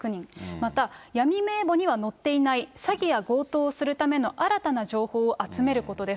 また闇名簿には載っていない、詐欺や強盗をするための新たな情報を集めることです。